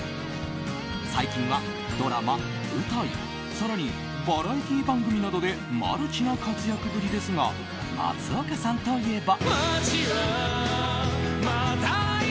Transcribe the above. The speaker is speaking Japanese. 最近はドラマ、舞台更にバラエティー番組などでマルチな活躍ぶりですが松岡さんといえば。